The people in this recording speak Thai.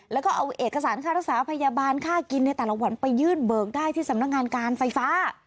แล้วก็เอาเอกสารค่ารักษาพยาบาลค่ากินในแต่ละวันไปยื่นเบิกได้ที่สำนักงานการไฟฟ้า